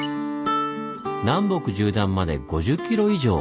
南北縦断まで５０キロ以上！